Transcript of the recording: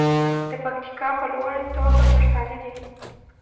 د پکتیکا په لوړه توګه پښتانه دي.